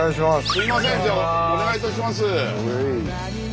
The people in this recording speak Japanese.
すいませんじゃあお願いいたします。